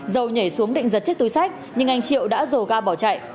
dầu nhảy xuống định giật chiếc túi sách nhưng anh triệu đã dồ ga bỏ chạy